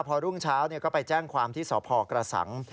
พอรุ่งเช้าก็ไปแจ้งความที่สพกระสัง